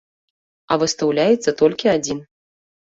А выстаўляецца толькі адзін!